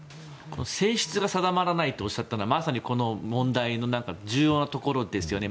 性質が定まらないとおっしゃったのはまさに、この問題の重要なところですよね。